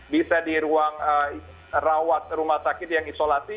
bisa di ruang rawat rumah sakit yang isolasi